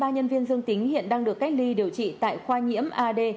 năm mươi ba nhân viên dương tính hiện đang được cách ly điều trị tại khoa nhiễm ad